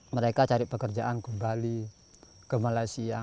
mereka cari pekerjaan ke bali ke malaysia